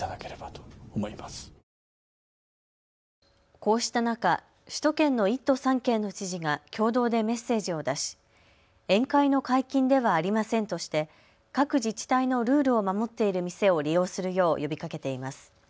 こうした中、首都圏の１都３県の知事が共同でメッセージを出し、宴会の解禁ではありませんとして各自治体のルールを守っている店を利用するよう呼びかけています。